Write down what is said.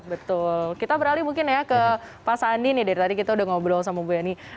betul kita beralih mungkin ya ke pak sandi nih dari tadi kita udah ngobrol sama bu yani